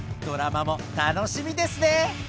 ドラマも楽しみですね！